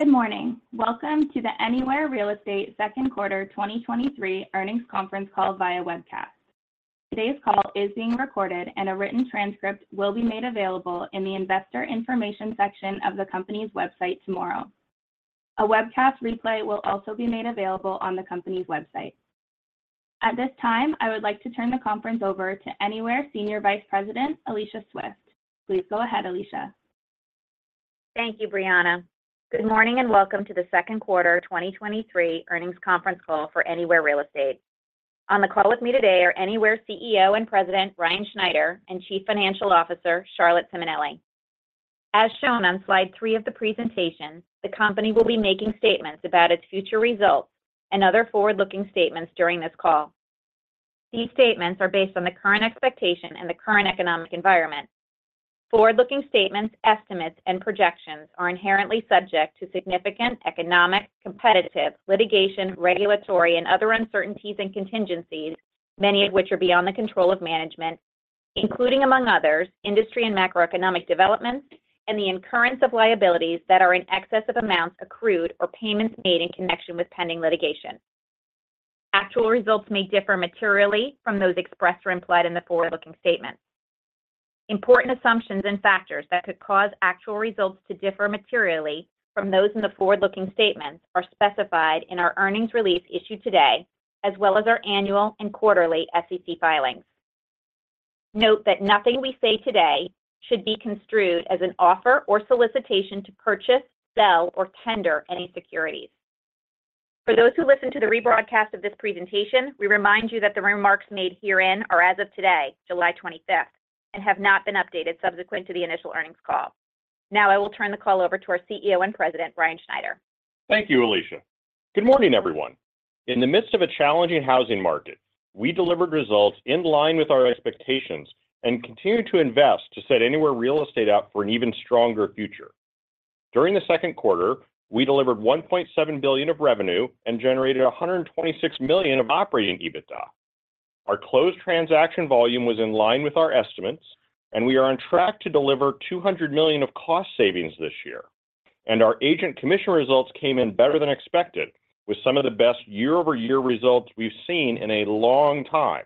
Good morning. Welcome to the Anywhere Real Estate Second Quarter 2023 Earnings Conference Call via webcast. Today's call is being recorded, and a written transcript will be made available in the Investor Information section of the company's website tomorrow. A webcast replay will also be made available on the company's website. At this time, I would like to turn the conference over to Anywhere Senior Vice President, Alicia Swift. Please go ahead, Alicia. Thank you, Brianna. Good morning, welcome to the Second Quarter 2023 Earnings Conference Call for Anywhere Real Estate. On the call with me today are Anywhere CEO and President, Ryan Schneider, and Chief Financial Officer, Charlotte Simonelli. As shown on slide three of the presentation, the company will be making statements about its future results and other forward-looking statements during this call. These statements are based on the current expectation and the current economic environment. Forward-looking statements, estimates, and projections are inherently subject to significant economic, competitive, litigation, regulatory, and other uncertainties and contingencies, many of which are beyond the control of management, including, among others, industry and macroeconomic developments, and the incurrence of liabilities that are in excess of amounts accrued or payments made in connection with pending litigation. Actual results may differ materially from those expressed or implied in the forward-looking statements. Important assumptions and factors that could cause actual results to differ materially from those in the forward-looking statements are specified in our earnings release issued today, as well as our annual and quarterly SEC filings. Note that nothing we say today should be construed as an offer or solicitation to purchase, sell, or tender any securities. For those who listen to the rebroadcast of this presentation, we remind you that the remarks made herein are as of today, July 25th, and have not been updated subsequent to the initial earnings call. I will turn the call over to our CEO and President, Ryan Schneider. Thank you, Alicia. Good morning, everyone. In the midst of a challenging housing market, we delivered results in line with our expectations and continued to invest to set Anywhere Real Estate up for an even stronger future. During the second quarter, we delivered $1.7 billion of revenue and generated $126 million of operating EBITDA. Our closed transaction volume was in line with our estimates, and we are on track to deliver $200 million of cost savings this year. Our agent commission results came in better than expected, with some of the best year-over-year results we've seen in a long time.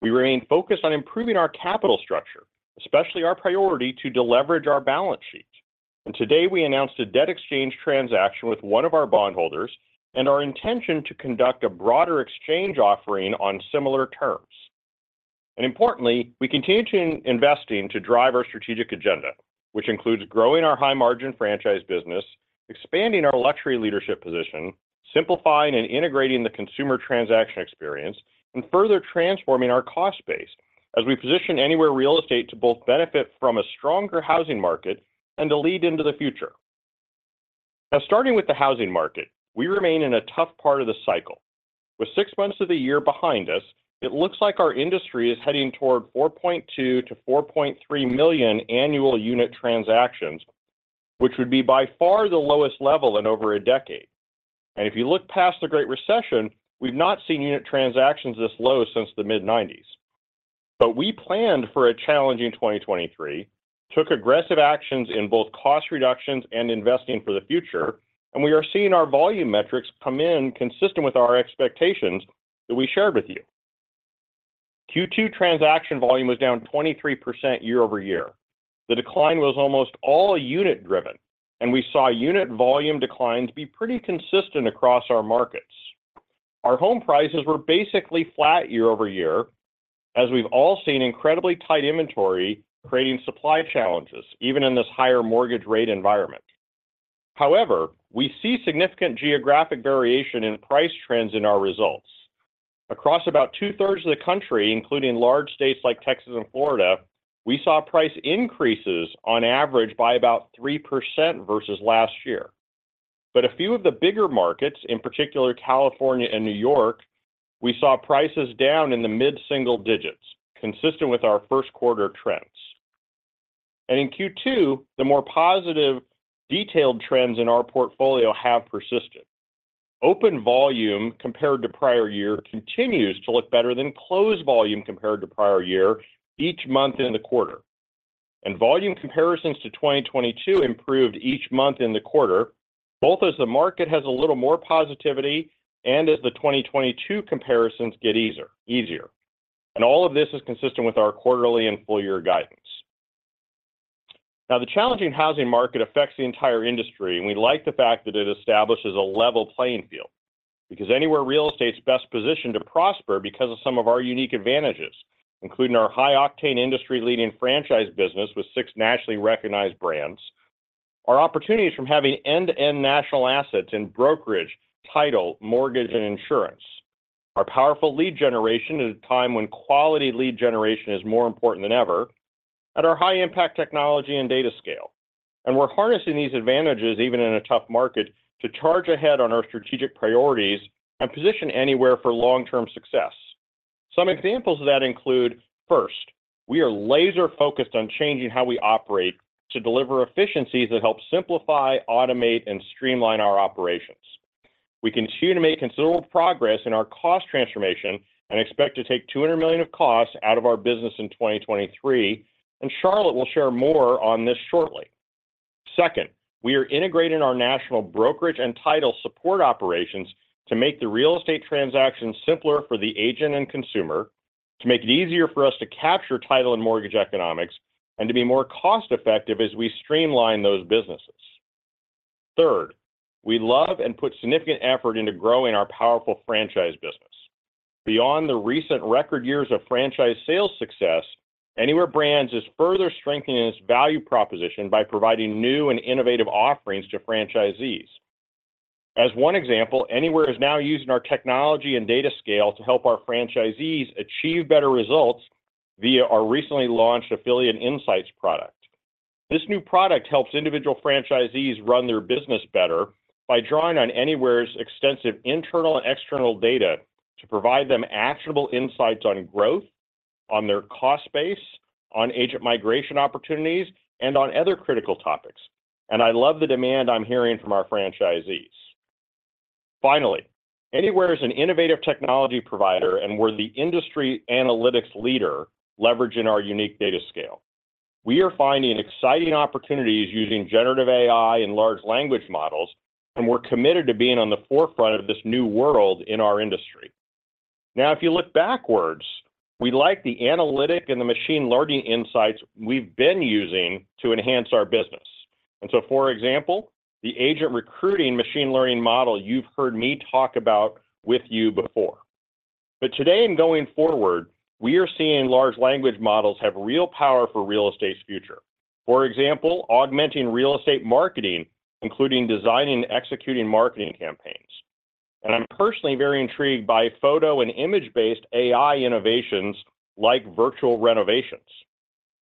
We remain focused on improving our capital structure, especially our priority to deleverage our balance sheet. Today, we announced a debt exchange transaction with one of our bondholders and our intention to conduct a broader exchange offering on similar terms. Importantly, we continue to investing to drive our strategic agenda, which includes growing our high-margin franchise business, expanding our luxury leadership position, simplifying and integrating the consumer transaction experience, and further transforming our cost base as we position Anywhere Real Estate to both benefit from a stronger housing market and to lead into the future. Starting with the housing market, we remain in a tough part of the cycle. With six months of the year behind us, it looks like our industry is heading toward $4.2 million-$4.3 million annual unit transactions, which would be by far the lowest level in over a decade. If you look past the Great Recession, we've not seen unit transactions this low since the mid-1990s. We planned for a challenging 2023, took aggressive actions in both cost reductions and investing for the future, and we are seeing our volume metrics come in consistent with our expectations that we shared with you. Q2 transaction volume was down 23% year-over-year. The decline was almost all unit-driven, and we saw unit volume declines be pretty consistent across our markets. Our home prices were basically flat year-over-year, as we've all seen incredibly tight inventory creating supply challenges, even in this higher mortgage rate environment. However, we see significant geographic variation in price trends in our results. Across about two-thirds of the country, including large states like Texas and Florida, we saw price increases on average by about 3% versus last year. A few of the bigger markets, in particular, California and New York, we saw prices down in the mid-single digits, consistent with our first quarter trends. In Q2, the more positive detailed trends in our portfolio have persisted. Open volume compared to prior year continues to look better than closed volume compared to prior year, each month in the quarter. Volume comparisons to 2022 improved each month in the quarter, both as the market has a little more positivity and as the 2022 comparisons get easier. All of this is consistent with our quarterly and full-year guidance. Now, the challenging housing market affects the entire industry, and we like the fact that it establishes a level playing field, because Anywhere Real Estate's best positioned to prosper because of some of our unique advantages, including our high-octane, industry-leading franchise business with six nationally recognized brands. Our opportunities from having end-to-end national assets in brokerage, title, mortgage, and insurance. Our powerful lead generation at a time when quality lead generation is more important than ever, and our high-impact technology and data scale. We're harnessing these advantages, even in a tough market, to charge ahead on our strategic priorities and position Anywhere for long-term success. Some examples of that include, first, we are laser-focused on changing how we operate to deliver efficiencies that help simplify, automate, and streamline our operations. We continue to make considerable progress in our cost transformation and expect to take $200 million of costs out of our business in 2023, and Charlotte will share more on this shortly. Second, we are integrating our national brokerage and title support operations to make the real estate transaction simpler for the agent and consumer, to make it easier for us to capture title and mortgage economics, and to be more cost-effective as we streamline those businesses. Third, we love and put significant effort into growing our powerful franchise business. Beyond the recent record years of franchise sales success, Anywhere Brands is further strengthening its value proposition by providing new and innovative offerings to franchisees. As one example, Anywhere is now using our technology and data scale to help our franchisees achieve better results via our recently launched Affiliate Insights product. This new product helps individual franchisees run their business better by drawing on Anywhere's extensive internal and external data to provide them actionable insights on growth, on their cost base, on agent migration opportunities, and on other critical topics, and I love the demand I'm hearing from our franchisees. Finally, Anywhere is an innovative technology provider, and we're the industry analytics leader, leveraging our unique data scale. We are finding exciting opportunities using generative AI and large language models, and we're committed to being on the forefront of this new world in our industry. If you look backwards, we like the analytic and the machine learning insights we've been using to enhance our business. So, for example, the agent recruiting machine learning model you've heard me talk about with you before. Today and going forward, we are seeing large language models have real power for real estate's future. For example, augmenting real estate marketing, including designing and executing marketing campaigns. I'm personally very intrigued by photo and image-based AI innovations like virtual renovations,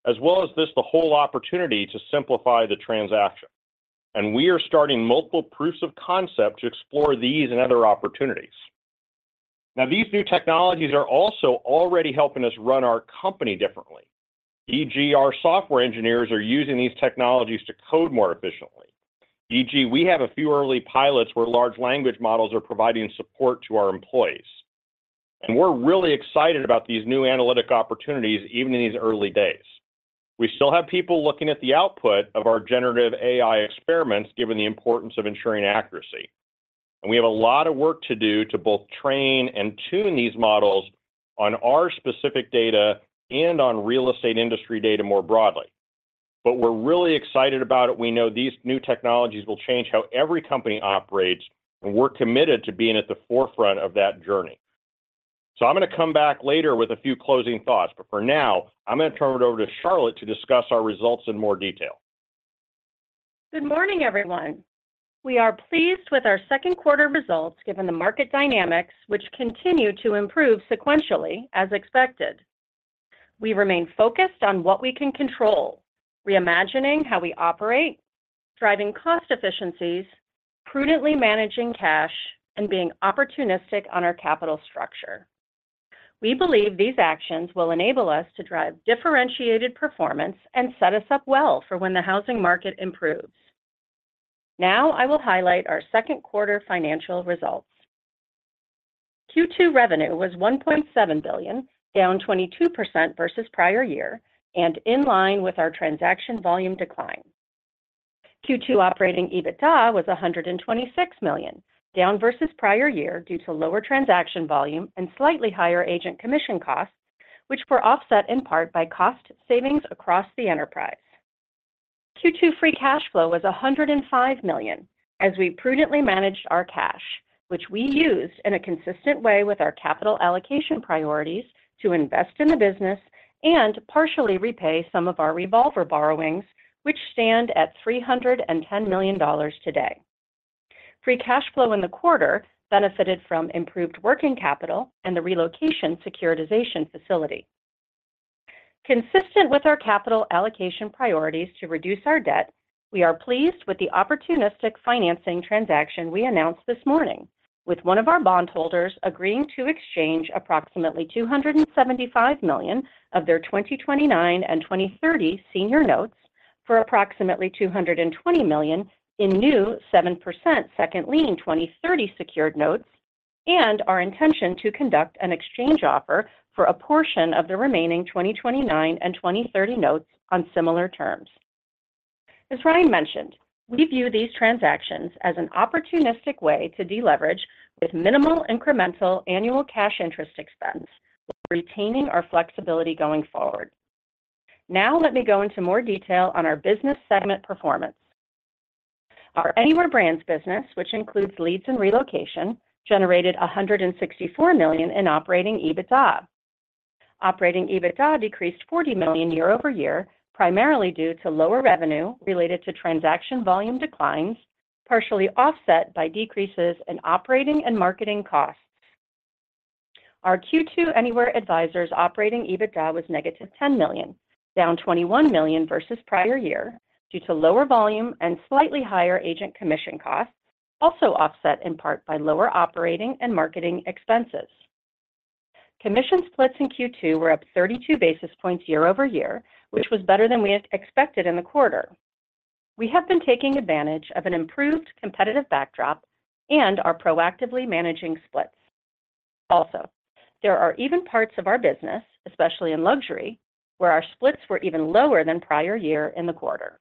as well as just the whole opportunity to simplify the transaction. We are starting multiple proofs of concept to explore these and other opportunities. Now, these new technologies are also already helping us run our company differently, e.g., our software engineers are using these technologies to code more efficiently. E.g., we have a few early pilots where large language models are providing support to our employees. We're really excited about these new analytic opportunities, even in these early days. We still have people looking at the output of our generative AI experiments, given the importance of ensuring accuracy. We have a lot of work to do to both train and tune these models on our specific data and on real estate industry data more broadly. We're really excited about it. We know these new technologies will change how every company operates, and we're committed to being at the forefront of that journey. I'm gonna come back later with a few closing thoughts, but for now, I'm gonna turn it over to Charlotte to discuss our results in more detail. Good morning, everyone. We are pleased with our second quarter results, given the market dynamics, which continue to improve sequentially, as expected. We remain focused on what we can control, reimagining how we operate, driving cost efficiencies, prudently managing cash, and being opportunistic on our capital structure. We believe these actions will enable us to drive differentiated performance and set us up well for when the housing market improves. Now, I will highlight our second quarter financial results. Q2 revenue was $1.7 billion, down 22% versus prior year and in line with our transaction volume decline. Q2 operating EBITDA was $126 million, down versus prior year due to lower transaction volume and slightly higher agent commission costs, which were offset in part by cost savings across the enterprise. Q2 free cash flow was $105 million as we prudently managed our cash, which we used in a consistent way with our capital allocation priorities to invest in the business and partially repay some of our revolver borrowings, which stand at $310 million today. Free cash flow in the quarter benefited from improved working capital and the relocation securitization facility. Consistent with our capital allocation priorities to reduce our debt, we are pleased with the opportunistic financing transaction we announced this morning, with one of our bondholders agreeing to exchange approximately $275 million of their 2029 and 2030 senior notes for approximately $220 million in new 7% second lien 2030 secured notes, and our intention to conduct an exchange offer for a portion of the remaining 2029 and 2030 notes on similar terms. As Ryan mentioned, we view these transactions as an opportunistic way to deleverage with minimal incremental annual cash interest expense, retaining our flexibility going forward. Now, let me go into more detail on our business segment performance. Our Anywhere Brands business, which includes leads and relocation, generated $164 million in operating EBITDA. Operating EBITDA decreased $40 million year-over-year, primarily due to lower revenue related to transaction volume declines, partially offset by decreases in operating and marketing costs. Our Q2 Anywhere Advisors operating EBITDA was negative $10 million, down $21 million versus prior year due to lower volume and slightly higher agent commission costs, offset in part by lower operating and marketing expenses. Commission splits in Q2 were up 32 basis points year-over-year, which was better than we had expected in the quarter. We have been taking advantage of an improved competitive backdrop and are proactively managing splits. There are even parts of our business, especially in luxury, where our splits were even lower than prior year in the quarter.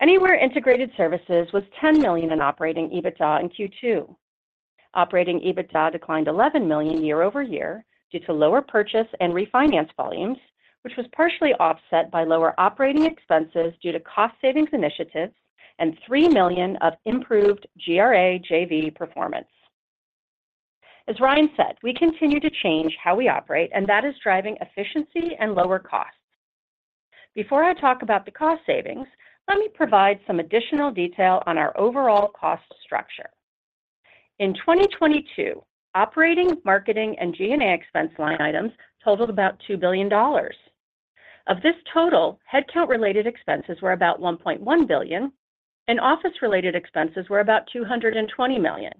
Anywhere Integrated Services was $10 million in operating EBITDA in Q2. Operating EBITDA declined $11 million year-over-year due to lower purchase and refinance volumes, which was partially offset by lower operating expenses due to cost savings initiatives and $3 million of improved GRA JV performance. As Ryan said, we continue to change how we operate, and that is driving efficiency and lower costs. Before I talk about the cost savings, let me provide some additional detail on our overall cost structure. In 2022, operating, marketing, and G&A expense line items totaled about $2 billion. Of this total, headcount-related expenses were about $1.1 billion, and office-related expenses were about $220 million.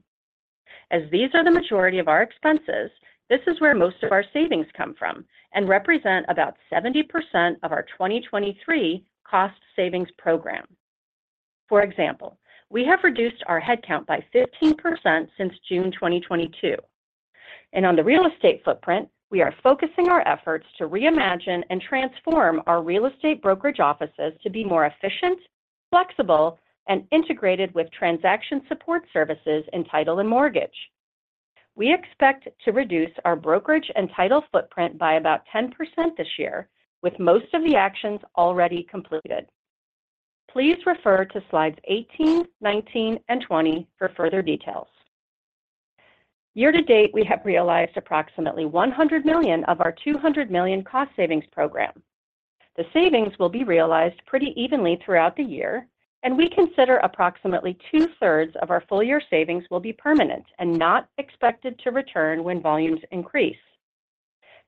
As these are the majority of our expenses, this is where most of our savings come from and represent about 70% of our 2023 cost savings program. For example, we have reduced our headcount by 15% since June 2022. On the real estate footprint, we are focusing our efforts to reimagine and transform our real estate brokerage offices to be more efficient, flexible, and integrated with transaction support services in title and mortgage. We expect to reduce our brokerage and title footprint by about 10% this year, with most of the actions already completed. Please refer to slides 18, 19, and 20 for further details. Year to date, we have realized approximately $100 million of our $200 million cost savings program. The savings will be realized pretty evenly throughout the year. We consider approximately two-thirds of our full year savings will be permanent and not expected to return when volumes increase.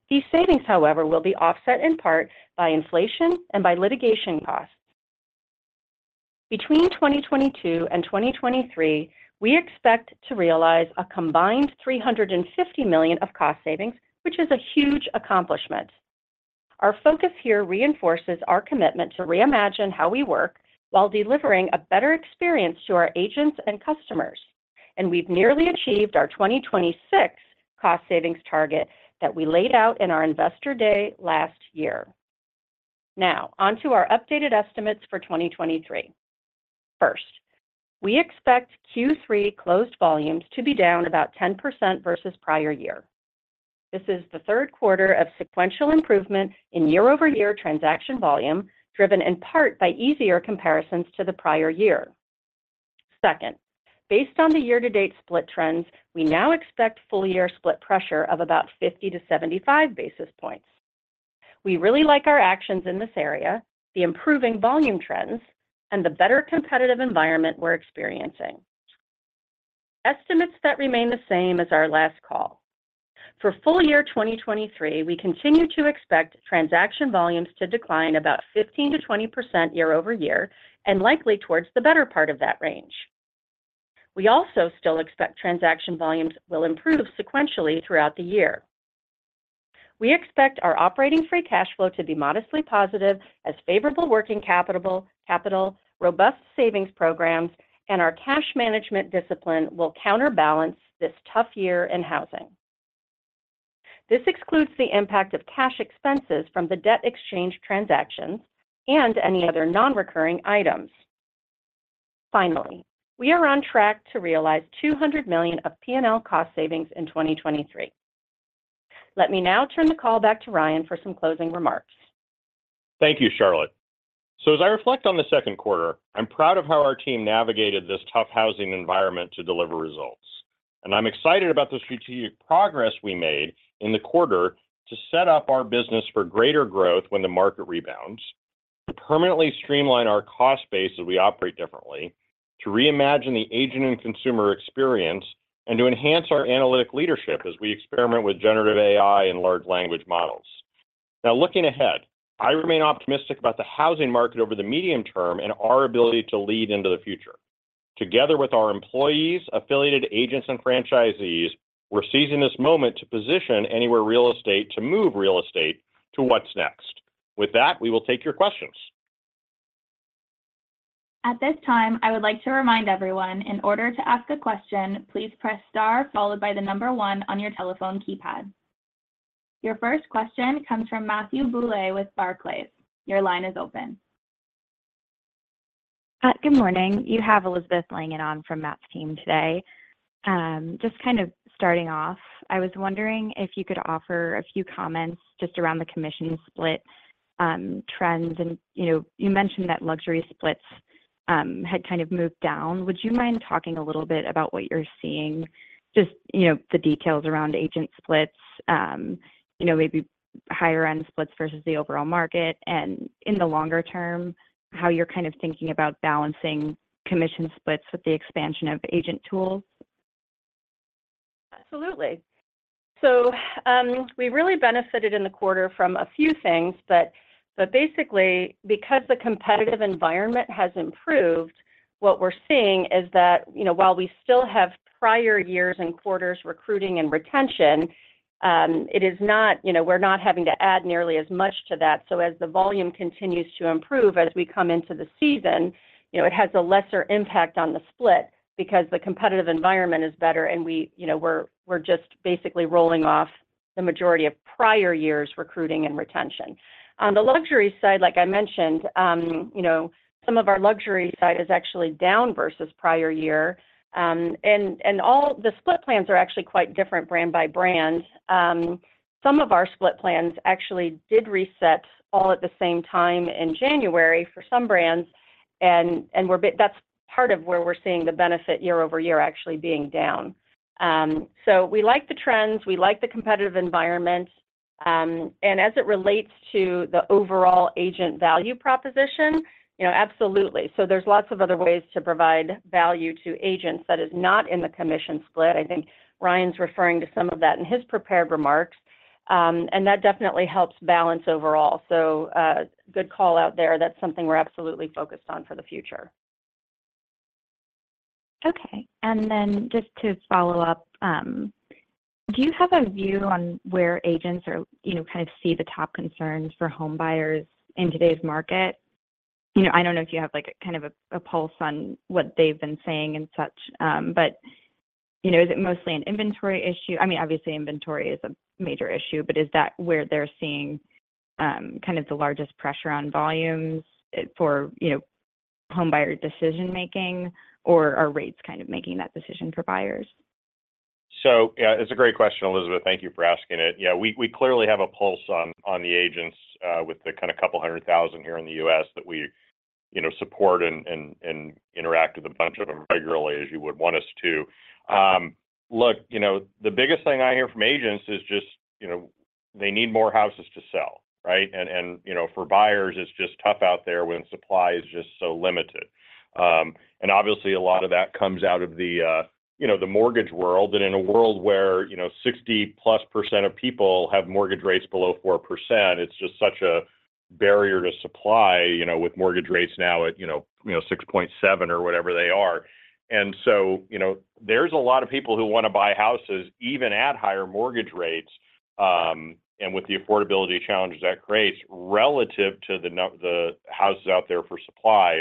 These savings, however, will be offset in part by inflation and by litigation costs. Between 2022 and 2023, we expect to realize a combined $350 million of cost savings, which is a huge accomplishment. Our focus here reinforces our commitment to reimagine how we work while delivering a better experience to our agents and customers, and we've nearly achieved our 2026 cost savings target that we laid out in our Investor Day last year. On to our updated estimates for 2023. First, we expect Q3 closed volumes to be down about 10% versus prior year. This is the third quarter of sequential improvement in year-over-year transaction volume, driven in part by easier comparisons to the prior year. Second, based on the year-to-date split trends, we now expect full year split pressure of about 50-75 basis points. We really like our actions in this area, the improving volume trends, and the better competitive environment we're experiencing. Estimates that remain the same as our last call. For full year 2023, we continue to expect transaction volumes to decline about 15%-20% year-over-year and likely towards the better part of that range. We also still expect transaction volumes will improve sequentially throughout the year. We expect our operating free cash flow to be modestly positive as favorable working capital, robust savings programs, and our cash management discipline will counterbalance this tough year in housing. This excludes the impact of cash expenses from the debt exchange transactions and any other non-recurring items. Finally, we are on track to realize $200 million of P&L cost savings in 2023. Let me now turn the call back to Ryan for some closing remarks. Thank you, Charlotte. As I reflect on the second quarter, I'm proud of how our team navigated this tough housing environment to deliver results, and I'm excited about the strategic progress we made in the quarter to set up our business for greater growth when the market rebounds, to permanently streamline our cost base as we operate differently, to reimagine the agent and consumer experience, and to enhance our analytic leadership as we experiment with generative AI and large language models. Looking ahead, I remain optimistic about the housing market over the medium term and our ability to lead into the future. Together with our employees, affiliated agents, and franchisees, we're seizing this moment to position Anywhere Real Estate to move real estate to what's next. With that, we will take your questions. At this time, I would like to remind everyone in order to ask a question, please press star followed by the number one on your telephone keypad. Your first question comes from Matthew Bouley with Barclays. Your line is open. Good morning. You have Elizabeth Langan on for Matthew today. Just kind of starting off, I was wondering if you could offer a few comments just around the commission split trends. You know, you mentioned that luxury splits had kind of moved down. Would you mind talking a little bit about what you're seeing? Just, you know, the details around agent splits, you know, maybe higher-end splits versus the overall market and, in the longer term, how you're kind of thinking about balancing commission splits with the expansion of agent tools? Absolutely. We really benefited in the quarter from a few things, but basically, because the competitive environment has improved, what we're seeing is that, you know, while we still have prior years and quarters recruiting and retention, it is not, you know, we're not having to add nearly as much to that. As the volume continues to improve, as we come into the season, you know, it has a lesser impact on the split because the competitive environment is better and we, you know, we're just basically rolling off the majority of prior years, recruiting and retention. On the luxury side, like I mentioned, you know, some of our luxury side is actually down versus prior year. All the split plans are actually quite different brand by brand. Some of our split plans actually did reset all at the same time in January for some brands. That's part of where we're seeing the benefit year-over-year actually being down. We like the trends, we like the competitive environment. As it relates to the overall agent value proposition, you know, absolutely. There's lots of other ways to provide value to agents that is not in the commission split. I think Ryan's referring to some of that in his prepared remarks, and that definitely helps balance overall. Good call out there. That's something we're absolutely focused on for the future. Just to follow up, do you have a view on where agents are, you know, kind of see the top concerns for homebuyers in today's market? You know, I don't know if you have like a kind of a pulse on what they've been saying and such, but, you know, is it mostly an inventory issue? I mean, obviously, inventory is a major issue, but is that where they're seeing, kind of the largest pressure on volumes, for, you know, homebuyer decision making, or are rates kind of making that decision for buyers? Yeah, it's a great question, Elizabeth. Thank you for asking it. Yeah, we clearly have a pulse on the agents, with the kind of couple hundred thousand here in the U.S. that we, you know, support and interact with a bunch of them regularly, as you would want us to. Look, you know, the biggest thing I hear from agents is, you know, they need more houses to sell, right? And, you know, for buyers, it's tough out there when supply is so limited. And obviously, a lot of that comes out of the, you know, the mortgage world. In a world where, you know, 60%+ of people have mortgage rates below 4%, it's just such a barrier to supply, you know, with mortgage rates now at, you know, 6.7 or whatever they are. So, you know, there's a lot of people who want to buy houses, even at higher mortgage rates, and with the affordability challenges that creates relative to the houses out there for supply.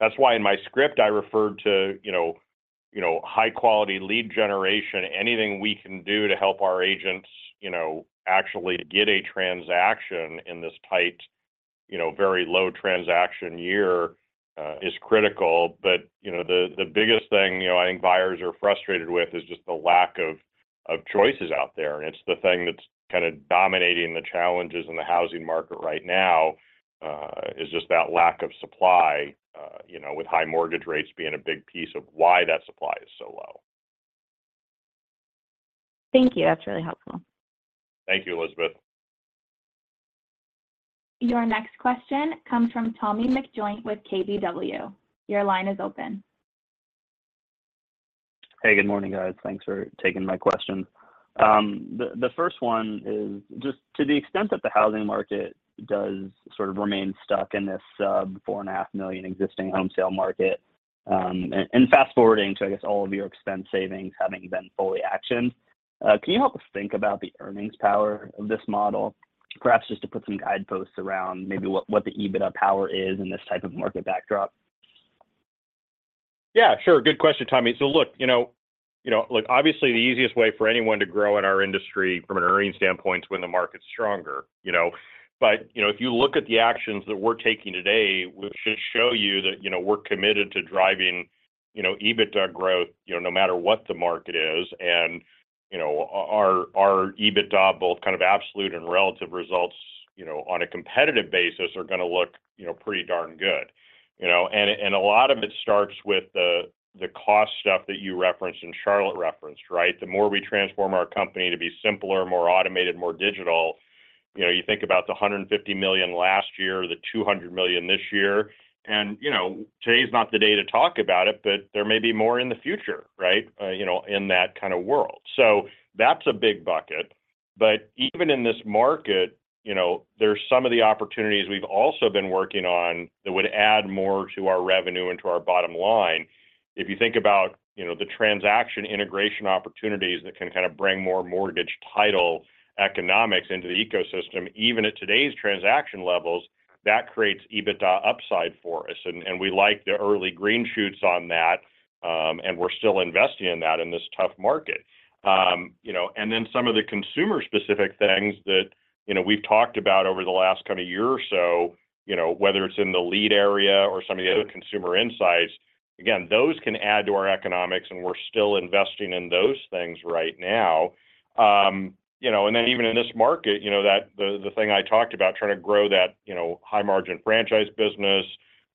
That's why in my script, I referred to, you know, high-quality lead generation. Anything we can do to help our agents, you know, actually get a transaction in this tight, you know, very low transaction year, is critical. You know, the biggest thing, you know, I think buyers are frustrated with is just the lack of choices out there. It's the thing that's kind of dominating the challenges in the housing market right now, is just that lack of supply, you know, with high mortgage rates being a big piece of why that supply is so low. Thank you. That's really helpful. Thank you, Elizabeth. Your next question comes from Tommy McJoynt with KBW. Your line is open. Hey, good morning, guys. Thanks for taking my question. The first one is just to the extent that the housing market does sort of remain stuck in this 4.5 million existing home sale market, and fast-forwarding to, I guess, all of your expense savings having been fully actioned, can you help us think about the earnings power of this model? Perhaps just to put some guideposts around maybe what the EBITDA power is in this type of market backdrop. Yeah, sure. Good question, Tommy. Look, you know, you know, look, obviously, the easiest way for anyone to grow in our industry from an earnings standpoint is when the market's stronger, you know? You know, if you look at the actions that we're taking today, we should show you that, you know, we're committed to driving, you know, EBITDA growth, you know, no matter what the market is, and, you know, our EBITDA, both kind of absolute and relative results, you know, on a competitive basis, are gonna look, you know, pretty darn good. You know, a lot of it starts with the cost stuff that you referenced, and Charlotte referenced, right? The more we transform our company to be simpler, more automated, more digital, you know, you think about the $150 million last year, the $200 million this year, and, you know, today is not the day to talk about it, but there may be more in the future, right? You know, in that kind of world. That's a big bucket. Even in this market, you know, there's some of the opportunities we've also been working on that would add more to our revenue and to our bottom line. If you think about, you know, the transaction integration opportunities that can kind of bring more mortgage title economics into the ecosystem, even at today's transaction levels, that creates EBITDA upside for us. We like the early green shoots on that, and we're still investing in that in this tough market. You know, and then some of the consumer-specific things that, you know, we've talked about over the last kind of year or so, you know, whether it's in the lead area or some of the other consumer insights, again, those can add to our economics, and we're still investing in those things right now. You know, and then even in this market, you know, that the thing I talked about trying to grow that, you know, high-margin franchise business,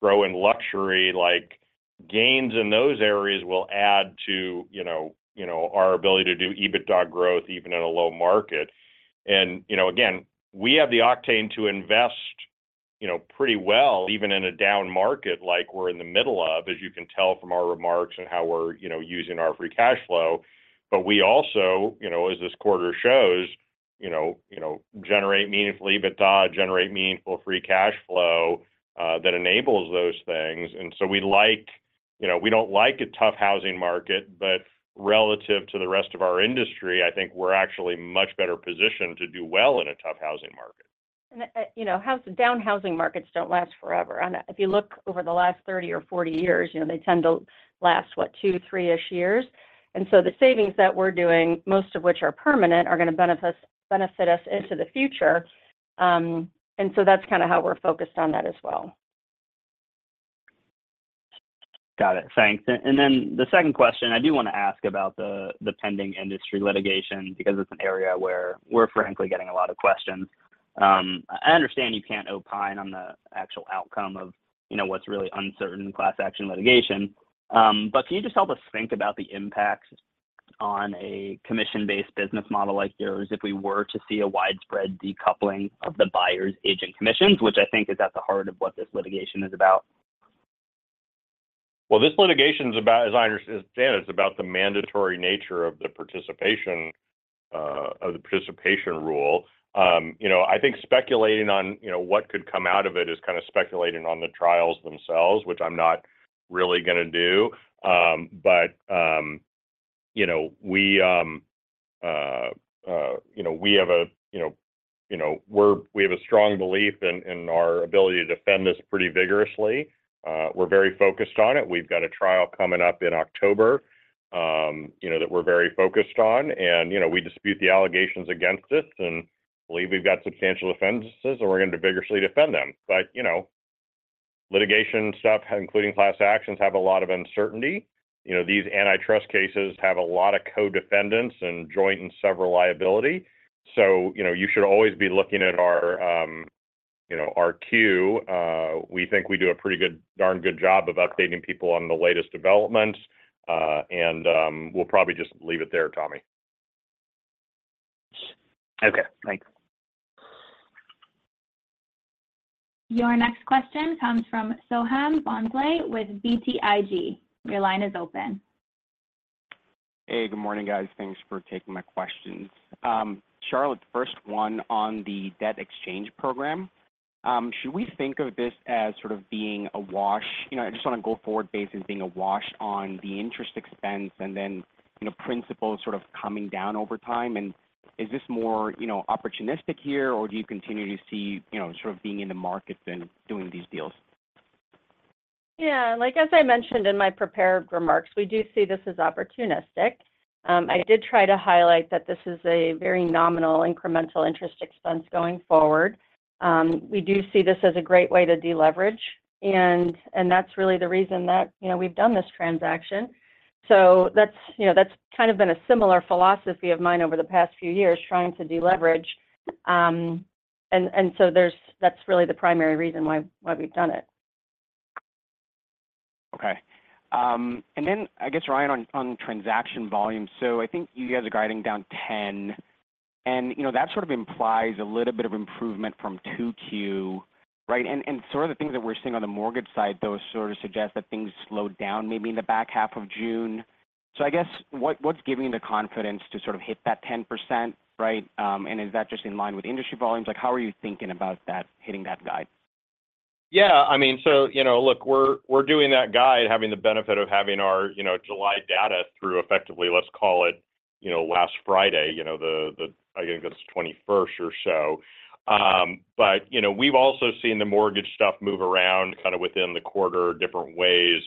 grow in luxury, like gains in those areas will add to, you know, you know, our ability to do EBITDA growth even in a low market. You know, again, we have the octane to invest-... you know, pretty well, even in a down market like we're in the middle of, as you can tell from our remarks and how we're, you know, using our free cash flow. We also, you know, as this quarter shows, you know, generate meaningful EBITDA, generate meaningful free cash flow that enables those things. We like, you know, we don't like a tough housing market, but relative to the rest of our industry, I think we're actually much better positioned to do well in a tough housing market. You know, down housing markets don't last forever. If you look over the last 30 or 40 years, you know, they tend to last, what, two-, three-ish years? The savings that we're doing, most of which are permanent, are going to benefit us into the future. That's kind of how we're focused on that as well. Got it. Thanks. The second question, I do want to ask about the pending industry litigation, because it's an area where we're frankly getting a lot of questions. I understand you can't opine on the actual outcome of, you know, what's really uncertain in class action litigation. Can you just help us think about the impact on a commission-based business model like yours, if we were to see a widespread decoupling of the buyer's agent commissions, which I think is at the heart of what this litigation is about? Well, this litigation is about, as I understand, it's about the mandatory nature of the participation rule. You know, I think speculating on, you know, what could come out of it is kind of speculating on the trials themselves, which I'm not really going to do. You know, we have a strong belief in our ability to defend this pretty vigorously. We're very focused on it. We've got a trial coming up in October, you know, that we're very focused on. You know, we dispute the allegations against us and believe we've got substantial defenses, and we're going to vigorously defend them. You know, litigation stuff, including class actions, have a lot of uncertainty. You know, these antitrust cases have a lot of co-defendants and joint and several liability. You know, you should always be looking at our, you know, our Q. We think we do a pretty good, darn good job of updating people on the latest developments. We'll probably just leave it there, Tommy. Okay, thanks. Your next question comes from Soham Bhonsle with BTIG. Your line is open. Hey, good morning, guys. Thanks for taking my questions. Charlotte, the first one on the debt exchange program, should we think of this as sort of being a wash, you know, just on a go-forward basis, being a wash on the interest expense and then, you know, principal sort of coming down over time? Is this more, you know, opportunistic here, or do you continue to see, you know, sort of being in the market and doing these deals? Yeah, like, as I mentioned in my prepared remarks, we do see this as opportunistic. I did try to highlight that this is a very nominal incremental interest expense going forward. We do see this as a great way to deleverage, and that's really the reason that, you know, we've done this transaction. That's, you know, that's kind of been a similar philosophy of mine over the past few years, trying to deleverage. And so that's really the primary reason why we've done it. I guess, Ryan, on transaction volume. I think you guys are guiding down 10%, you know, that sort of implies a little bit of improvement from 2Q, right? Sort of the things that we're seeing on the mortgage side, though, sort of suggest that things slowed down maybe in the back half of June. I guess what's giving you the confidence to sort of hit that 10%, right? Is that just in line with industry volumes? Like, how are you thinking about that, hitting that guide? Yeah, I mean, you know, look, we're doing that guide, having the benefit of having our, you know, July data through effectively, let's call it, you know, last Friday, you know, the, I think it's the 21st or so. You know, we've also seen the mortgage stuff move around kind of within the quarter, different ways.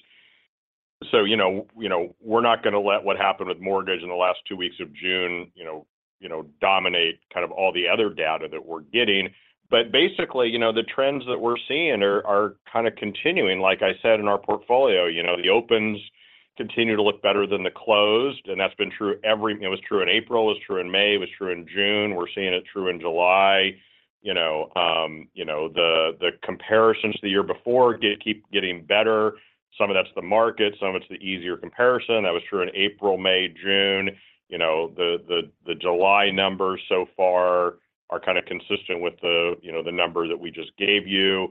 You know, we're not going to let what happened with mortgage in the last two weeks of June, you know, dominate kind of all the other data that we're getting. Basically, you know, the trends that we're seeing are kind of continuing. Like I said, in our portfolio, you know, the opens continue to look better than the closed, and that's been true it was true in April, it was true in May, it was true in June. We're seeing it true in July. You know, the comparisons to the year before keep getting better. Some of that's the market, some of it's the easier comparison. That was true in April, May, June. You know, the July numbers so far are kind of consistent with the, you know, the number that we just gave you.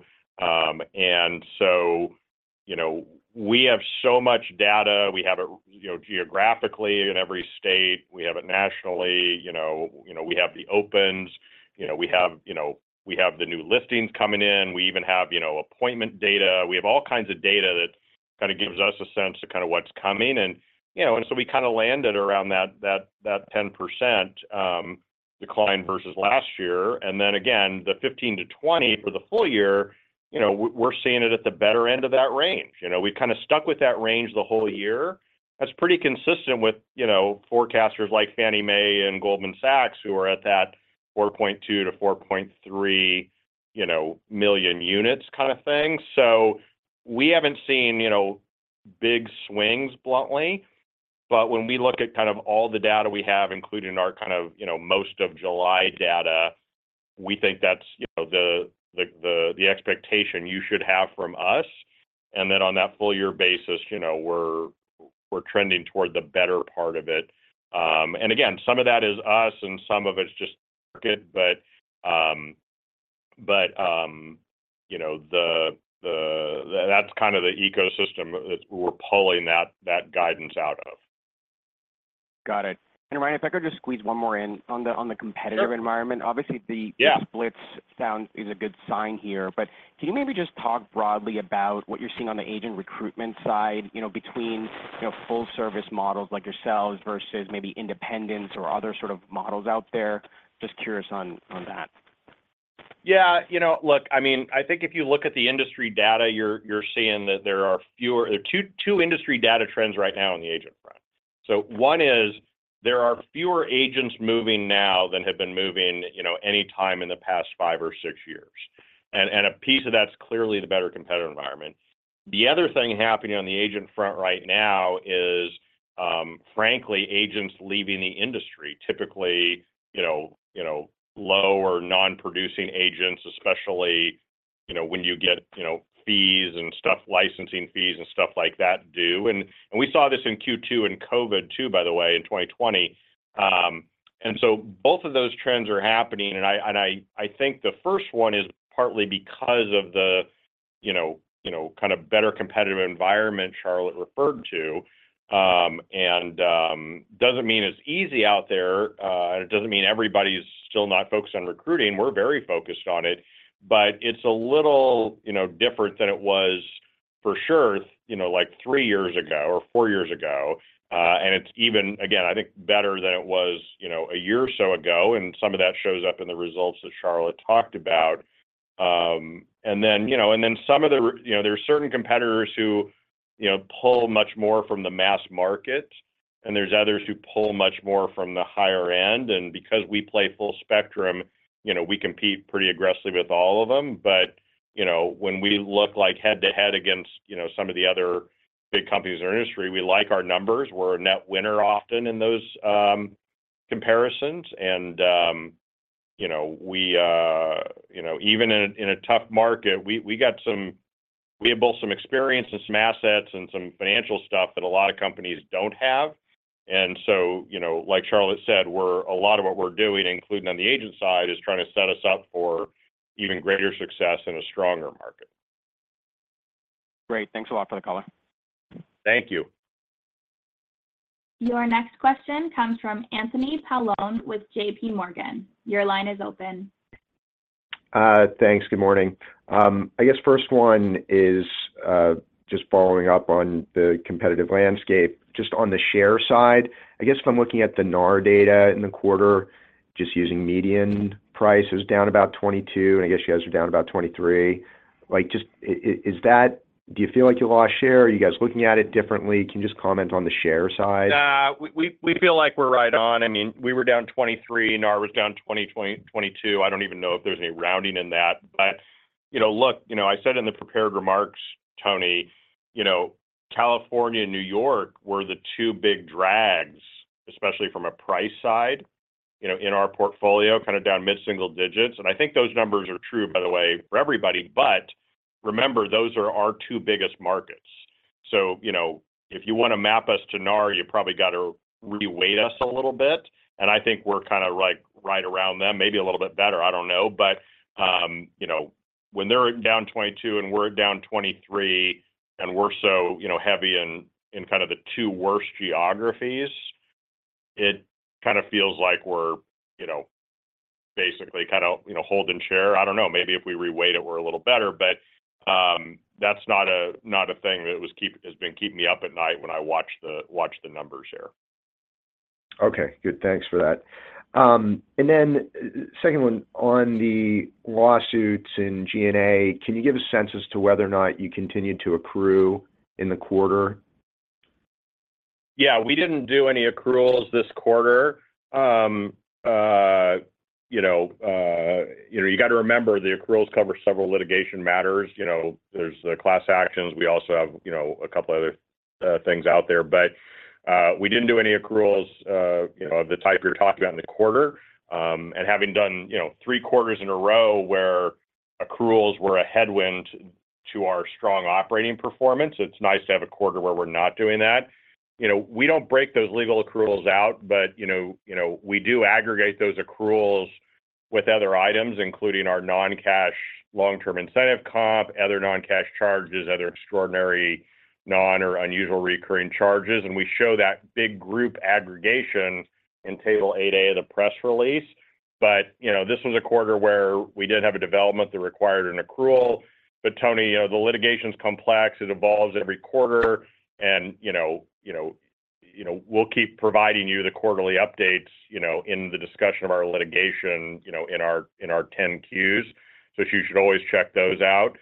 You know, we have so much data. We have it, you know, geographically in every state. We have it nationally. You know, we have the opens, you know, we have the new listings coming in. We even have, you know, appointment data. We have all kinds of data that kind of gives us a sense of kind of what's coming. You know, and so we kind of landed around that 10% decline versus last year. Then again, the 15%-20% for the full year, you know, we're seeing it at the better end of that range. You know, we've kind of stuck with that range the whole year. That's pretty consistent with, you know, forecasters like Fannie Mae and Goldman Sachs, who are at that 4.2-4.3, you know, million units kind of thing. We haven't seen, you know, big swings bluntly, but when we look at kind of all the data we have, including our kind of, you know, most of July data, we think that's, you know, the expectation you should have from us. Then on that full year basis, you know, we're trending toward the better part of it. Again, some of that is us, and some of it's just the market. You know, that's kind of the ecosystem that we're pulling that guidance out of. Got it. Ryan, if I could just squeeze one more in on the competitive- Sure.... environment. Obviously, Yeah. splits sound is a good sign here, but can you maybe just talk broadly about what you're seeing on the agent recruitment side, you know, between, you know, full service models like yourselves versus maybe independents or other sort of models out there? Just curious on that. Yeah. You know, look, I mean, I think if you look at the industry data, you're seeing that there are two industry data trends right now on the agent front. One is there are fewer agents moving now than have been moving, you know, anytime in the past five or six years, and a piece of that's clearly the better competitor environment. The other thing happening on the agent front right now is, frankly, agents leaving the industry, typically, you know, low or non-producing agents, especially, you know, when you get, you know, fees and stuff, licensing fees and stuff like that due. We saw this in Q2 and COVID too, by the way, in 2020. Both of those trends are happening, and I think the first one is partly because of the, you know, you know, kind of better competitive environment Charlotte referred to. Doesn't mean it's easy out there, and it doesn't mean everybody's still not focused on recruiting. We're very focused on it, but it's a little, you know, different than it was for sure, you know, like three years ago or four years ago. It's even, again, I think, better than it was, you know, a year or so ago, and some of that shows up in the results that Charlotte talked about. Then, you know, and then some of the you know, there are certain competitors who, you know, pull much more from the mass market, and there's others who pull much more from the higher end, and because we play full spectrum, you know, we compete pretty aggressively with all of them. You know, when we look like head-to-head against, you know, some of the other big companies in our industry, we like our numbers. We're a net winner often in those comparisons. You know, we, you know, even in a tough market, we have both some experience and some assets and some financial stuff that a lot of companies don't have. You know, like Charlotte said, we're, a lot of what we're doing, including on the agent side, is trying to set us up for even greater success in a stronger market. Great. Thanks a lot for the color. Thank you. Your next question comes from Anthony Paolone with JPMorgan. Your line is open. Thanks. Good morning. I guess first one is just following up on the competitive landscape. Just on the share side, I guess if I'm looking at the NAR data in the quarter, just using median price, it was down about 22, and I guess you guys are down about 23. Like, just do you feel like you lost share, or are you guys looking at it differently? Can you just comment on the share side? We feel like we're right on. I mean, we were down 23, NAR was down 22. I don't even know if there's any rounding in that. You know, look, you know, I said in the prepared remarks, Tony, you know, California and New York were the two big drags, especially from a price side, you know, in our portfolio, kind of down mid-single digits. I think those numbers are true, by the way, for everybody. Remember, those are our two biggest markets. You know, if you want to map us to NAR, you probably got to reweight us a little bit, and I think we're kind of like right around them, maybe a little bit better. I don't know. You know, when they're down 22, and we're down 23, and we're so, you know, heavy in kind of the two worst geographies, it kind of feels like we're, you know, basically kind of, you know, holding share. I don't know. Maybe if we reweight it, we're a little better, but that's not a, not a thing that has been keeping me up at night when I watch the, watch the numbers there. Okay, good. Thanks for that. Second one, on the lawsuits in G&A, can you give a sense as to whether or not you continued to accrue in the quarter? Yeah, we didn't do any accruals this quarter. You know, you got to remember, the accruals cover several litigation matters. You know, there's the class actions. We also have, you know, a couple other things out there, but we didn't do any accruals, you know, of the type you're talking about in the quarter. Having done, you know, three quarters in a row where accruals were a headwind to our strong operating performance, it's nice to have a quarter where we're not doing that. You know, we don't break those legal accruals out, but, you know, we do aggregate those accruals with other items, including our non-cash long-term incentive comp, other non-cash charges, other extraordinary non- or unusual recurring charges, and we show that big group aggregation in Table 8a of the press release. You know, this was a quarter where we didn't have a development that required an accrual. Tony, you know, the litigation's complex. It evolves every quarter, and, you know, we'll keep providing you the quarterly updates, you know, in the discussion of our litigation, you know, in our, in our 10-Qs. You should always check those out.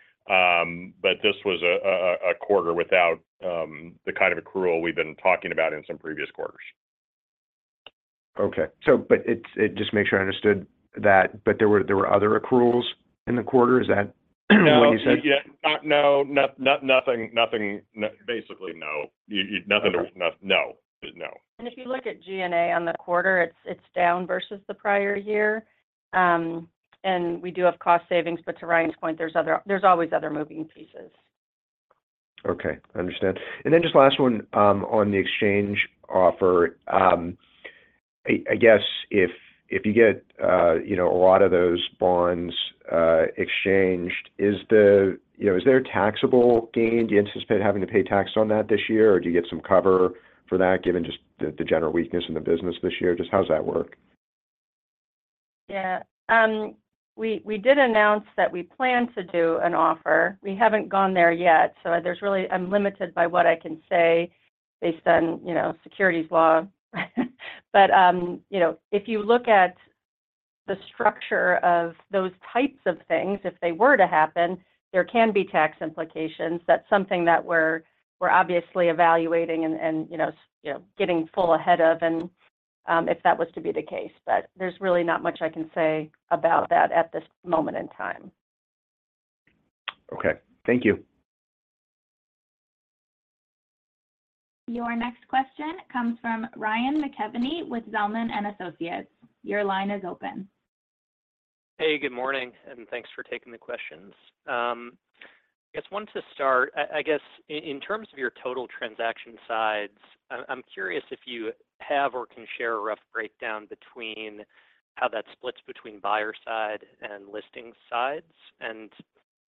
This was a quarter without the kind of accrual we've been talking about in some previous quarters. Okay. But it's just make sure I understood that, but there were other accruals in the quarter. Is that what you said? Yeah. No, not nothing, no, basically, no. Okay. Nothing, no. No. If you look at G&A on the quarter, it's down versus the prior year. And we do have cost savings, but to Ryan's point, there's always other moving pieces. Okay, I understand. Just last one on the exchange offer. I guess if you get, you know, a lot of those bonds exchanged, is there a taxable gain? Do you anticipate having to pay tax on that this year, or do you get some cover for that, given just the general weakness in the business this year? Just how does that work? Yeah. We did announce that we plan to do an offer. We haven't gone there yet, so there's really, I'm limited by what I can say based on, you know, securities law. You know, if you look at the structure of those types of things, if they were to happen, there can be tax implications. That's something that we're obviously evaluating and, you know, getting full ahead of, and if that was to be the case. There's really not much I can say about that at this moment in time. Okay. Thank you. Your next question comes from Ryan McKeveny with Zelman & Associates. Your line is open. Good morning, and thanks for taking the questions. I just want to start, I guess, in terms of your total transaction sides, I'm curious if you have or can share a rough breakdown between how that splits between buyer side and listing sides.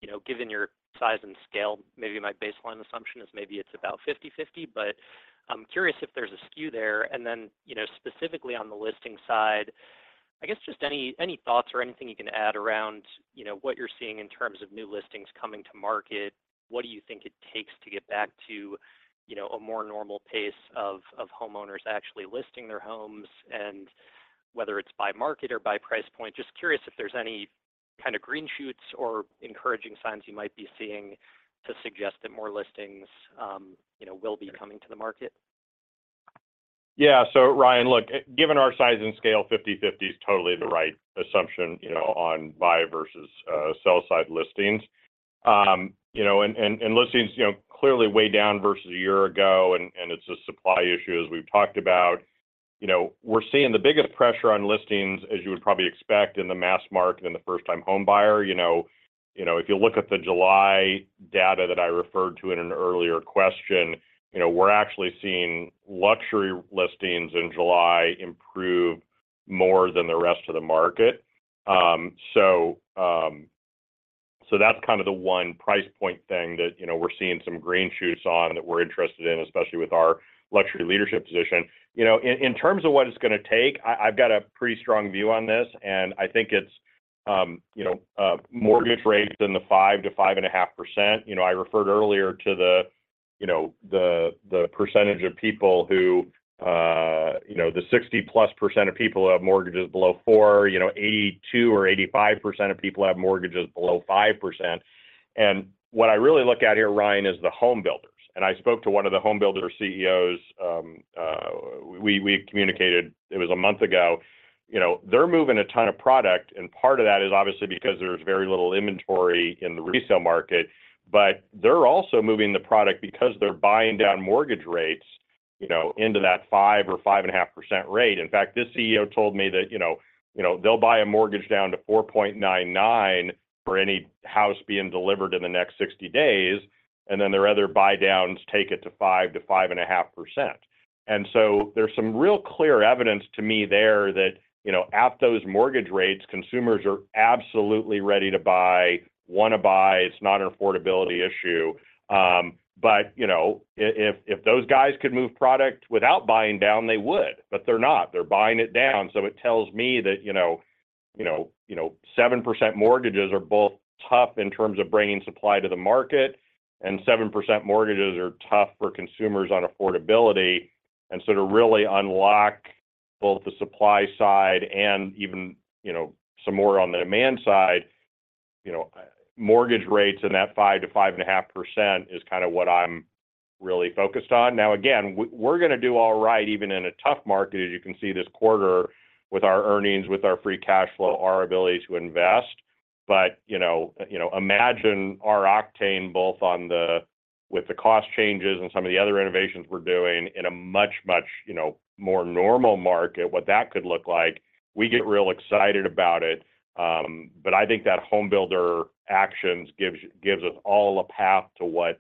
You know, given your size and scale, maybe my baseline assumption is maybe it's about 50/50, but I'm curious if there's a skew there. Then, you know, specifically on the listing side, I guess just any thoughts or anything you can add around, you know, what you're seeing in terms of new listings coming to market? What do you think it takes to get back to, you know, a more normal pace of homeowners actually listing their homes? Whether it's by market or by price point, just curious if there's any kind of green shoots or encouraging signs you might be seeing to suggest that more listings, you know, will be coming to the market? Yeah. Ryan, look, given our size and scale, 50/50 is totally the right assumption, you know, on buy versus sell side listings. You know, listings, you know, clearly way down versus a year ago, and it's a supply issue, as we've talked about. You know, we're seeing the biggest pressure on listings as you would probably expect in the mass market in the first time home buyer. You know, if you look at the July data that I referred to in an earlier question, you know, we're actually seeing luxury listings in July improve more than the rest of the market. That's kind of the one price point thing that, you know, we're seeing some green shoots on and that we're interested in, especially with our luxury leadership position. You know, in terms of what it's going to take, I've got a pretty strong view on this, and I think it's, you know, mortgage rates in the 5%-5.5%. You know, I referred earlier to the, you know, the percentage of people who, you know, the 60+ percent of people who have mortgages below 4%, you know, 82% or 85% of people have mortgages below 5%. What I really look at here, Ryan, is the home builders, and I spoke to one of the home builder CEOs. We communicated, it was a month ago. You know, they're moving a ton of product, and part of that is obviously because there's very little inventory in the resale market, but they're also moving the product because they're buying down mortgage rates, you know, into that 5% or 5.5% rate. In fact, this CEO told me that, you know, they'll buy a mortgage down to 4.99% for any house being delivered in the next 60 days, and then their other buy downs take it to 5%-5.5%. There's some real clear evidence to me there that, you know, at those mortgage rates, consumers are absolutely ready to buy, want to buy. It's not an affordability issue. You know, if those guys could move product without buying down, they would, but they're not. They're buying it down. It tells me that, you know, 7% mortgages are both tough in terms of bringing supply to the market, and 7% mortgages are tough for consumers on affordability. To really unlock both the supply side and even, you know, some more on the demand side, you know, mortgage rates in that 5%-5.5% is kind of what I'm really focused on. Again, we're going to do all right, even in a tough market, as you can see this quarter, with our earnings, with our free cash flow, our ability to invest. But, you know, imagine our octane both with the cost changes and some of the other innovations we're doing in a much, you know, more normal market, what that could look like. We get real excited about it, I think that home builder actions gives us all a path to what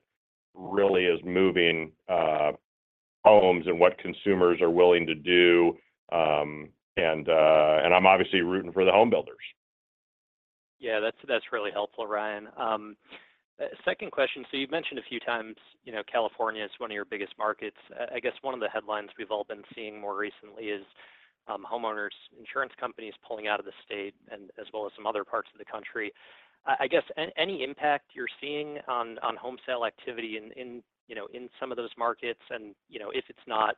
really is moving, homes and what consumers are willing to do. I'm obviously rooting for the home builders. Yeah, that's really helpful, Ryan. Second question, you've mentioned a few times, you know, California is one of your biggest markets. I guess one of the headlines we've all been seeing more recently is homeowners insurance companies pulling out of the state and as well as some other parts of the country. I guess, any impact you're seeing on home sale activity in, you know, in some of those markets and, you know, if it's not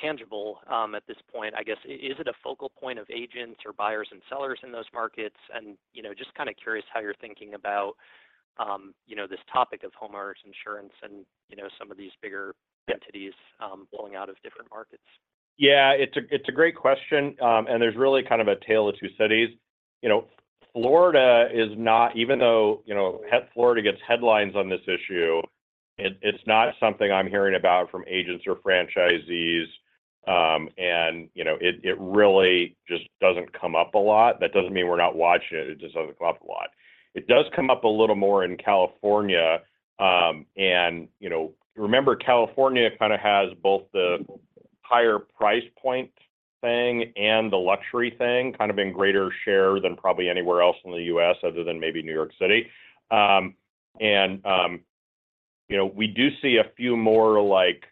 tangible at this point, I guess, is it a focal point of agents or buyers and sellers in those markets? You know, just kind of curious how you're thinking about, you know, this topic of homeowners insurance and, you know, some of these bigger entities pulling out of different markets. It's a great question. There's really kind of a tale of two cities. You know, Florida is not even though, you know, Florida gets headlines on this issue. It's not something I'm hearing about from agents or franchisees. You know, it really just doesn't come up a lot. That doesn't mean we're not watching it just doesn't come up a lot. It does come up a little more in California. You know, remember, California kind of has both the higher price point thing and the luxury thing, kind of in greater share than probably anywhere else in the U.S., other than maybe New York City. You know, we do see a few more like,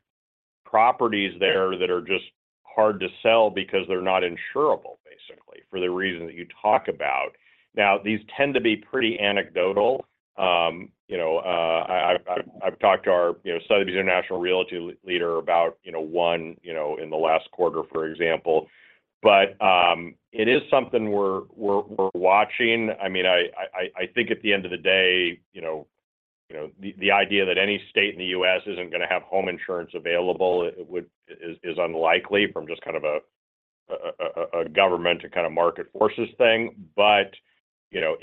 properties there that are just hard to sell because they're not insurable, basically, for the reason that you talk about. These tend to be pretty anecdotal. You know, I've talked to our, you know, Sotheby's International Realty leader about, you know, one, you know, in the last quarter, for example. It is something we're watching. I mean, I think at the end of the day, you know, you know, the idea that any state in the U.S. isn't going to have home insurance available, is unlikely from just kind of a government to kind of market forces thing. You know,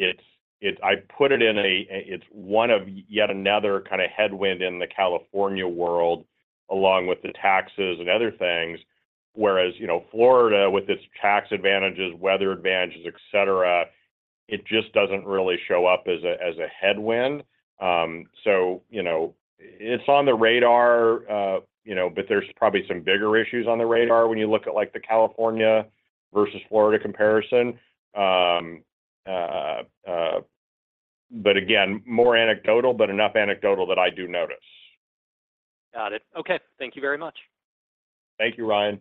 I put it in a it's one of yet another kind of headwind in the California world, along with the taxes and other things. Whereas, you know, Florida, with its tax advantages, weather advantages, et cetera, it just doesn't really show up as a, as a headwind. You know, it's on the radar, you know, but there's probably some bigger issues on the radar when you look at, like, the California versus Florida comparison. Again, more anecdotal, but enough anecdotal that I do notice. Got it. Okay. Thank you very much. Thank you, Ryan.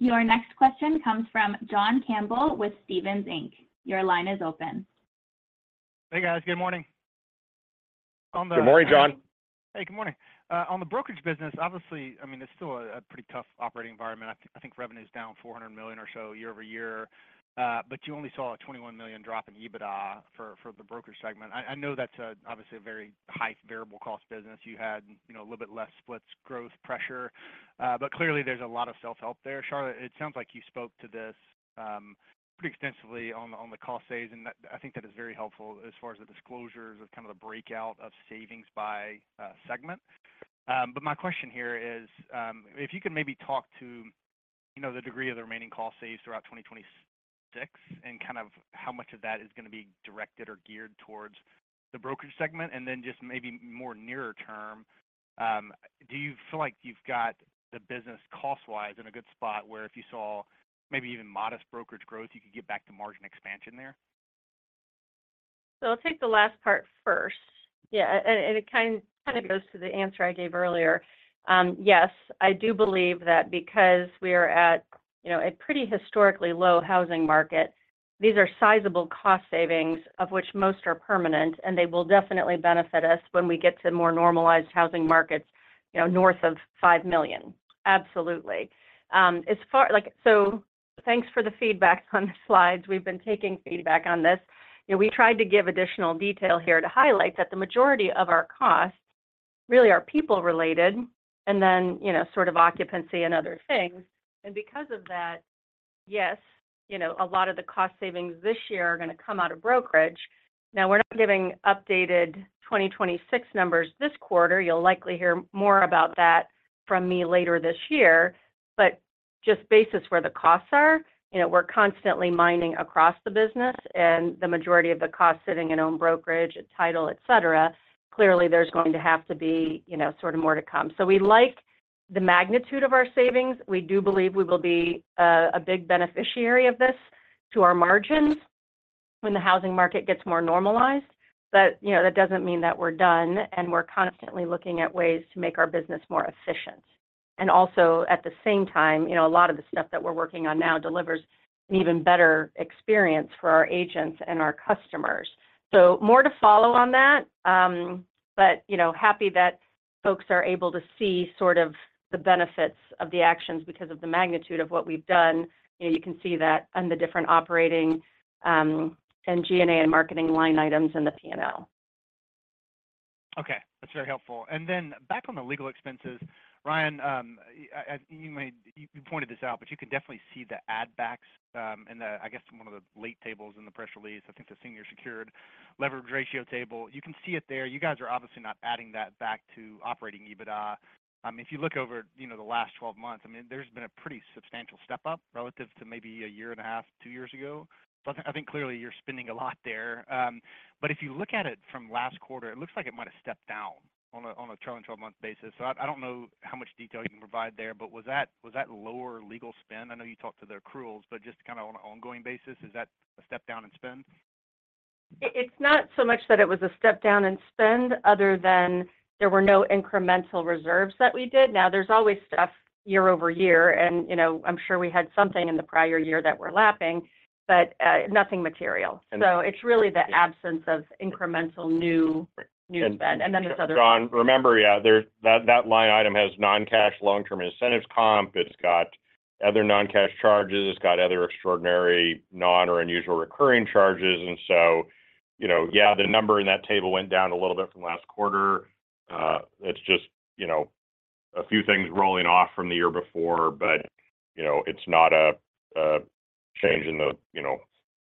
Your next question comes from John Campbell with Stephens Inc. Your line is open. Hey, guys. Good morning. Good morning, John. Hey, good morning. On the brokerage business, obviously, I mean, it's still a pretty tough operating environment. I think revenue is down $400 million or so year-over-year. You only saw a $21 million drop in EBITDA for the brokerage segment. I know that's obviously a very high variable cost business. You had, you know, a little bit less splits growth pressure, clearly, there's a lot of self-help there. Charlotte, it sounds like you spoke to this pretty extensively on the cost saves, and I think that is very helpful as far as the disclosures of kind of the breakout of savings by segment. My question here is, if you could maybe talk to, you know, the degree of the remaining cost saves throughout 2026, and kind of how much of that is going to be directed or geared towards the brokerage segment? Then just maybe more nearer term, do you feel like you've got the business, cost-wise, in a good spot, where if you saw maybe even modest brokerage growth, you could get back to margin expansion there? I'll take the last part first. Yeah, and it kind of goes to the answer I gave earlier. Yes, I do believe that because we are at, you know, a pretty historically low housing market, these are sizable cost savings, of which most are permanent, and they will definitely benefit us when we get to more normalized housing markets, you know, north of $5 million. Absolutely. like, so thanks for the feedback on the slides. We've been taking feedback on this. You know, we tried to give additional detail here to highlight that the majority of our costs really are people-related, and then, you know, sort of occupancy and other things. Because of that, yes, you know, a lot of the cost savings this year are going to come out of brokerage. We're not giving updated 2026 numbers this quarter. You'll likely hear more about that from me later this year. Just basis where the costs are, you know, we're constantly mining across the business, and the majority of the costs sitting in own brokerage, title, etc. Clearly, there's going to have to be, you know, sort of more to come. We like the magnitude of our savings. We do believe we will be a big beneficiary of this to our margins when the housing market gets more normalized. You know, that doesn't mean that we're done, and we're constantly looking at ways to make our business more efficient. Also, at the same time, you know, a lot of the stuff that we're working on now delivers an even better experience for our agents and our customers. More to follow on that. You know, happy that folks are able to see sort of the benefits of the actions because of the magnitude of what we've done. You know, you can see that on the different operating, and G&A and marketing line items in the P&L. Okay, that's very helpful. Back on the legal expenses, Ryan, you pointed this out, but you can definitely see the add backs in the, I guess, one of the late tables in the press release, I think, the Senior Secured Leverage Ratio table. You can see it there. You guys are obviously not adding that back to operating EBITDA. If you look over, you know, the last 12 months, I mean, there's been a pretty substantial step up relative to maybe a year and a half, two years ago. I think clearly you're spending a lot there. If you look at it from last quarter, it looks like it might have stepped down on a trailing 12-month basis. I don't know how much detail you can provide there, but was that lower legal spend? I know you talked to the accruals, but just kind of on an ongoing basis, is that a step down in spend? It's not so much that it was a step down in spend, other than there were no incremental reserves that we did. There's always stuff year-over-year, and, you know, I'm sure we had something in the prior year that we're lapping, but nothing material. And- It's really the absence of incremental new spend. And- And then this other- John, remember, yeah, that line item has non-cash, long-term incentives comp. It's got other non-cash charges. It's got other extraordinary non- or unusual recurring charges. You know, yeah, the number in that table went down a little bit from last quarter. It's just, you know, a few things rolling off from the year before, you know, it's not a change in the, you know,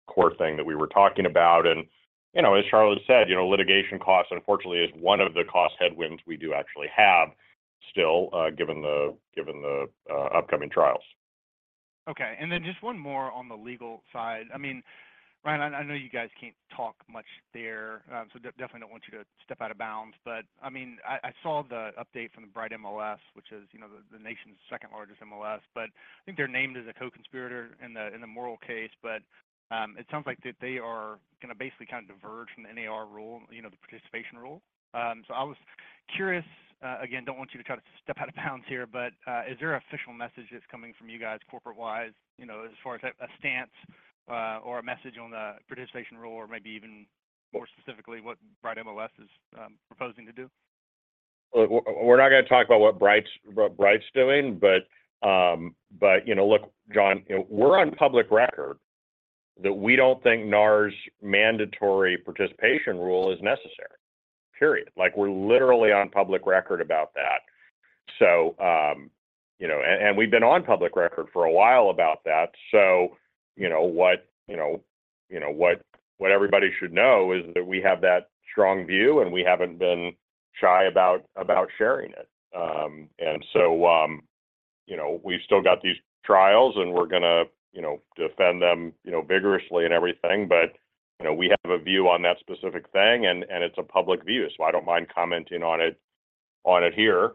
core thing that we were talking about. You know, as Charlotte said, you know, litigation costs, unfortunately, is one of the cost headwinds we do actually have still, given the upcoming trials. Okay. Then just one more on the legal side. I mean, Ryan, I know you guys can't talk much there, definitely don't want you to step out of bounds. I mean, I saw the update from the Bright MLS, which is, you know, the nation's second-largest MLS, but I think they're named as a co-conspirator in the Moehrl case. It sounds like that they are gonna basically kind of diverge from the NAR rule, you know, the participation rule. I was curious, again, don't want you to kind of step out of bounds here, but, is there an official message that's coming from you guys corporate-wise, you know, as far as a stance, or a message on the participation rule, or maybe even more specifically, what Bright MLS is proposing to do? Well, we're not gonna talk about what Bright's doing, but, you know, look, John, you know, we're on public record that we don't think NAR's mandatory participation rule is necessary, period. Like, we're literally on public record about that. You know, and we've been on public record for a while about that. You know, what, you know, what everybody should know is that we have that strong view, and we haven't been shy about sharing it. You know, we've still got these trials, and we're gonna, you know, defend them, you know, vigorously and everything. You know, we have a view on that specific thing, and it's a public view, so I don't mind commenting on it here.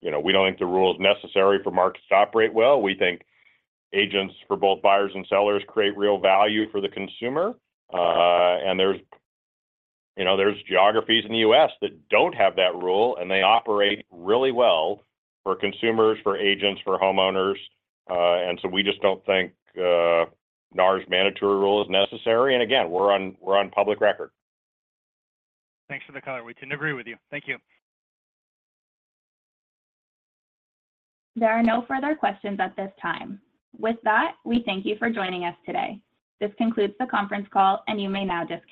You know, we don't think the rule is necessary for markets to operate well. We think agents for both buyers and sellers create real value for the consumer. There's, you know, there's geographies in the U.S. that don't have that rule, and they operate really well for consumers, for agents, for homeowners. We just don't think NAR's mandatory rule is necessary, and again, we're on, we're on public record. Thanks for the color. We tend to agree with you. Thank you. There are no further questions at this time. With that, we thank you for joining us today. This concludes the conference call, and you may now disconnect.